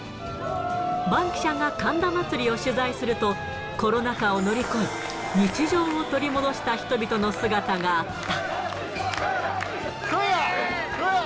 バンキシャが神田祭を取材すると、コロナ禍を乗り越え、日常を取り戻した人々の姿があった。